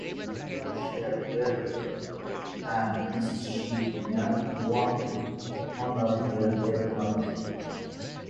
The two shared a birthday, and Mrs. Chapman wanted to honor her late mother.